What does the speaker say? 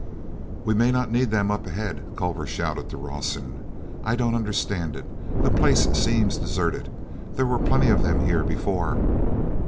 "We may not need them up ahead," Culver shouted to Rawson. "I don't understand it. The place seems deserted—there were plenty of them here before!"